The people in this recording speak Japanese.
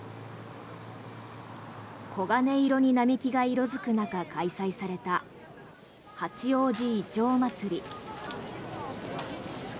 黄金色に並木が色付く中開催された八王子いちょう祭り。